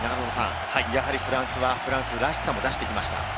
やはりフランスはフランスらしさも出してきました。